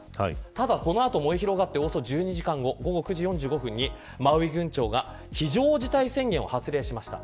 ただこの後燃え広がって、およそ１２時間後午後９時４５分にマウイ郡長が非常事態宣言を発令しました。